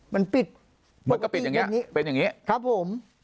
มันปิดเป็นอย่างนี้ครับผม